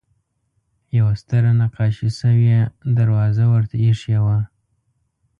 یوه ستره نقاشي شوې دروازه ورته اېښې وه.